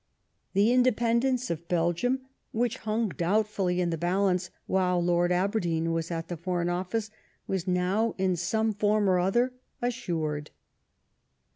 Tbe independence of Belgium, whioh hnng donbtfully in the balance while Lord Aberdeen was at the Foreign OfiBce, was now, in some form or other^ assured.